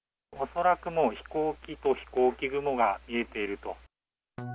恐らく飛行機と飛行機雲が見えていると。